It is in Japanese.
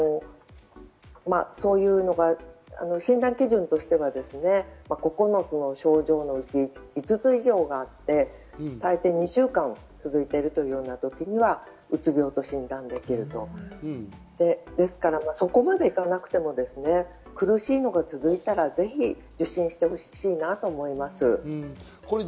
そういうのが診断基準としては９つの症状のうち、５つ以上があって、大抵２週間以上続いているということになるとうつ病の診断、そこまでいかなくても苦しいのが続いたら、ぜひ受診してほしいなと思います。